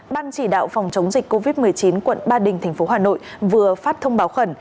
ban chỉ đạo phòng chống dịch covid một mươi chín quận ba đình tp hà nội vừa phát thông báo khẩn